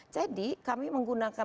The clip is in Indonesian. jadi kami menggunakan